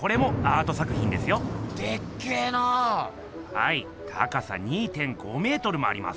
はい高さ２．５メートルもあります。